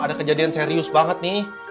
ada kejadian serius banget nih